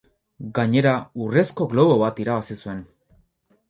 Gainera, urrezko globo bat irabazi zuen.